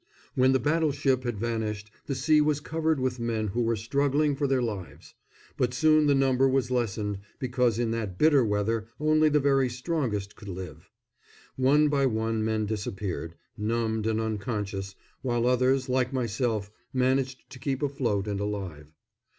When the battleship had vanished the sea was covered with men who were struggling for their lives; but soon the number was lessened, because in that bitter weather only the very strongest could live. One by one men disappeared, numbed and unconscious, while others, like myself, managed to keep afloat and alive.